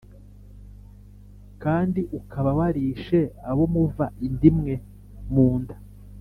kandi ukaba warishe abo muva inda imwe mu nda